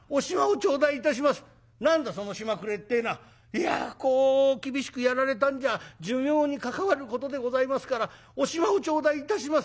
「いやこう厳しくやられたんじゃ寿命に関わることでございますからお暇を頂戴いたします」。